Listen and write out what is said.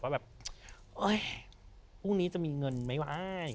พรุ่งนี้จะมีเงินไหมวะ